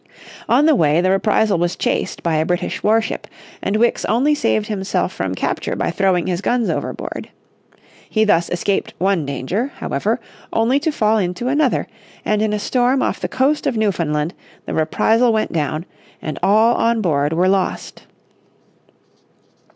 On the way the Reprisal was chased by a British warship, and Wickes only saved himself from capture by throwing his guns overboard. He thus escaped one danger, however, only to fall into another, and in a storm off the coast of Newfoundland the Reprisal went down, and all on board were lost.